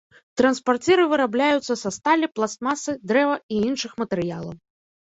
Транспарціры вырабляюцца са сталі, пластмасы, дрэва і іншых матэрыялаў.